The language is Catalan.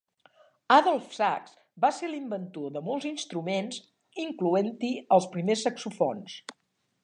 Adolph Sax va ser l'inventor de molts instruments, incloent-hi els primers saxofons.